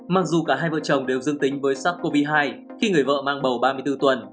mặc dù cả hai vợ chồng đều dương tính với sars cov hai khi người vợ mang bầu ba mươi bốn tuần